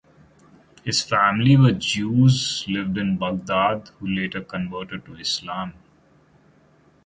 His family were Jews lived in Baghdad who later converted to Islam.